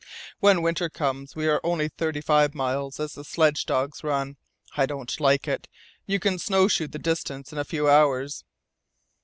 When winter comes we are only thirty five miles, as the sledge dogs run. I don't like it. You can snow shoe the distance in a few hours."